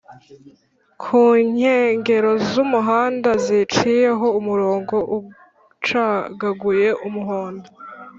kunkengero z’umuhanda ziciyeho umurongo ucagaguye(Umuhondo)